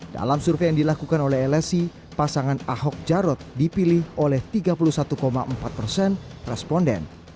dalam survei yang dilakukan oleh lsi pasangan ahok jarot dipilih oleh tiga puluh satu empat persen responden